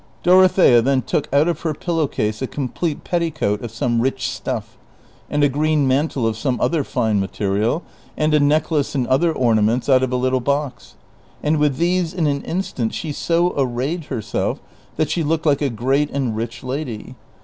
Dorothea then took out of her pillow case a complete petti coat of some rich stuff, and a green mantle of some other fine material, and a necklace and other ornaments out of a little box, and with these in an instant she so arrayed herself that she looked like a great and rich lady.